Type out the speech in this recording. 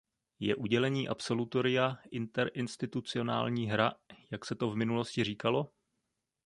Je udělení absolutoria interinstitucionální hra, jak se v minulosti říkalo?